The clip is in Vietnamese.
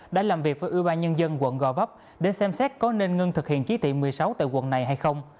đã làm việc với ủy ban nhân dân quận gò vấp để xem xét có nên ngưng thực hiện chỉ thị một mươi sáu tại quận này hay không